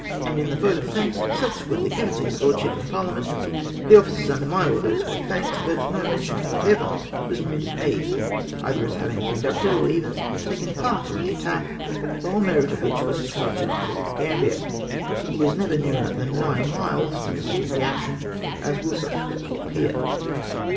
! and in the vote of thanks subsequently given to his lordship in parhament, the officers under my orders were tlianked, but no mention whatever was made of me, either as having conducted, or even taken any part in the attack, the whole merit of which was ascribed to Lord Gambler, who was never nearer than nine miles to the scene of action, as will subsequently appear.